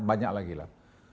banyak lagi lah